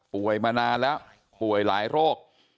มานานแล้วป่วยหลายโรค